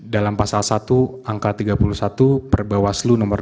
dalam pasal satu angka tiga puluh satu per bawaslu nomor delapan dua ribu dua puluh dua